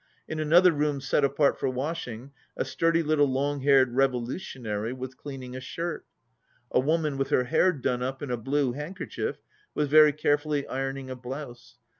In another room set apart for washing a sturdy little long haired revolutionary was cleaning a shirt. A woman with her hair done up in a blue handkerchief was very carefully ironing a blouse.